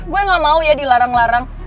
gue gak mau ya dilarang larang